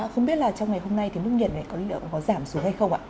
không biết là trong ngày hôm nay thì mức nhiệt có giảm xuống hay không ạ